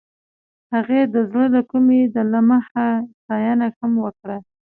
هغې د زړه له کومې د لمحه ستاینه هم وکړه.